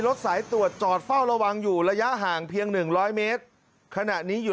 สายตรวจจอดเฝ้าระวังอยู่ระยะห่างเพียงหนึ่งร้อยเมตรขณะนี้อยู่